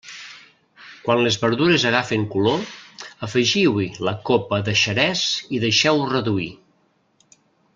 Quan les verdures agafin color, afegiu-hi la copa de xerès i deixeu-ho reduir.